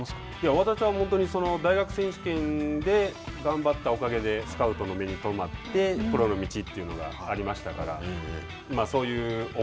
私は本当に、大学選手権で頑張ったおかげで、スカウトの目に留まって、プロの道にというのがありましたから。